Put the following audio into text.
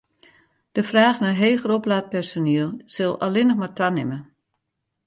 De fraach nei heger oplaat personiel sil allinnich mar tanimme.